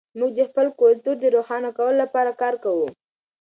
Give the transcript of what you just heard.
موږ د خپل کلتور د روښانه کولو لپاره کار کوو.